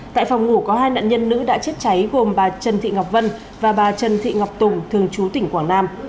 tại phòng ngủ có hai nạn nhân nữ đã chết cháy gồm bà trần thị ngọc vân và bà trần thị ngọc tùng thường chú tỉnh quảng nam